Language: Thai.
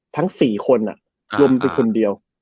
ทั้ง๔คนอะยมเป็นคนเดียว